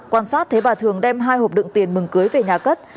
quan sát thấy bà thường đem hai hộp đựng tiền mừng cưới về nhà cất